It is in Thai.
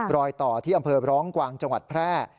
รอยต่อที่อำเภอร้องกวางจังหวัดแพร่